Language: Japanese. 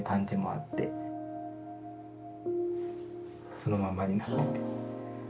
そのままになってて。